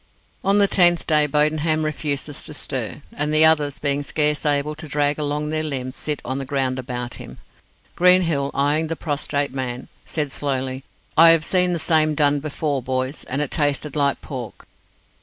On the tenth day Bodenham refuses to stir, and the others, being scarce able to drag along their limbs, sit on the ground about him. Greenhill, eyeing the prostrate man, said slowly, "I have seen the same done before, boys, and it tasted like pork."